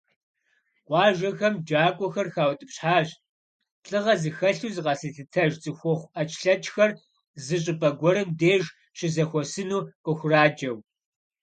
Къуажэхэм джакӀуэхэр хаутӀыпщхьащ, лӀыгъэ зыхэлъу зыкъэзылъытэж цӀыхухъу Ӏэчлъэчхэр зы щӀыпӀэ гуэрым деж щызэхуэсыну къыхураджэу.